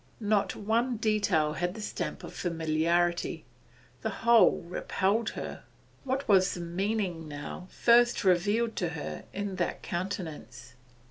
Not one detail had the stamp of familiarity: the whole repelled her. What was the meaning now first revealed to her in that countenance?